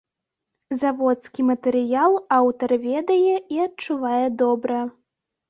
Заводскі матэрыял аўтар ведае і адчувае добра.